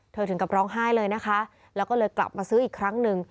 ถึงกับร้องไห้เลยนะคะแล้วก็เลยกลับมาซื้ออีกครั้งหนึ่ง